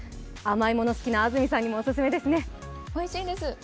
甘いもの好きな安住さんにもおすすめです。